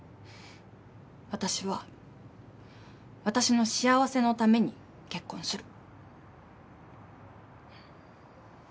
私は私の幸せのために結婚する。